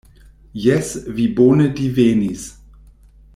Jes, vi bone divenis!